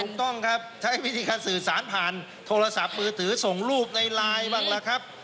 ถูกต้องครับใช้วิธีการสื่อสารผ่านโทรศัพท์มือถือส่งรูปในไลน์บ้างล่ะครับ